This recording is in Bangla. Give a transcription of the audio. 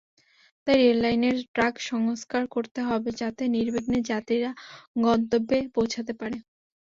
তাই রেললাইনের ট্র্যাক সংস্কার করতে হবে, যাতে নির্বিঘ্নে যাত্রীরা গন্তব্যে পৌঁছাতে পারে।